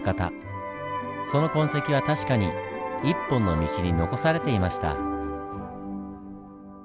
その痕跡は確かに一本の道に残されていました。